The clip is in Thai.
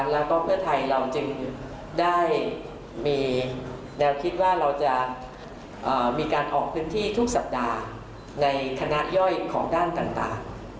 แล้วก็เพื่อไทยเราจึงได้มีแนวคิดว่าเราจะมีการออกพื้นที่ทุกสัปดาห์ในคณะย่อยของด้านต่าง